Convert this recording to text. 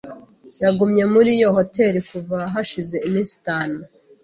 Yagumye muri iyo hoteri kuva hashize iminsi itanu.